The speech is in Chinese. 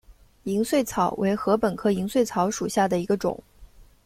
银穗草为禾本科银穗草属下的一个种。